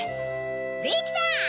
できた！